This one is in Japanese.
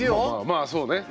まあそうね。